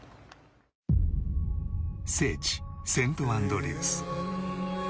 聖地セントアンドリュース。